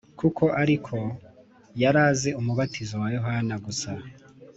koko ariko yari azi umubatizo wa Yohana gusa